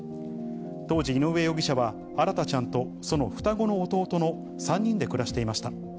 当時、井上容疑者は、あらたちゃんとその双子の弟の３人で暮らしていました。